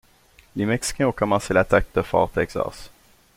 Les Mexicains ont commencé l'attaque de Fort Texas.